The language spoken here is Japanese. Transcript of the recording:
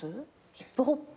ヒップホップ。